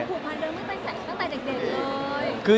เป็นเมื่อกี้ว่ามีผูปภัณฑ์เริ่มปิดใส่ตั้งแต่เด็กเลย